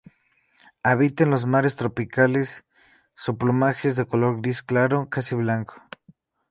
Habita en los mares tropicales, su plumaje es de color gris claro, casi blanco.